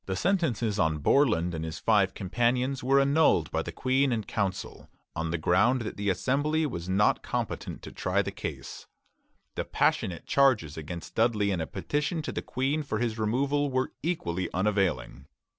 The sentences on Borland and his five companions were annulled by the Queen and Council, on the ground that the Assembly was not competent to try the case. The passionate charges against Dudley and a petition to the Queen for his removal were equally unavailing.